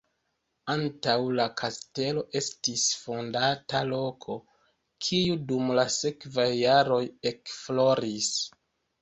Antaŭ la kastelo estis fondata loko, kiu dum la sekvaj jaroj ekfloris.